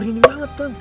dengan su pakai staffing